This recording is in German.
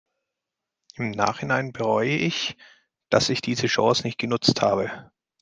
Im Nachhinein bereue ich, dass ich diese Chance nicht genutzt habe.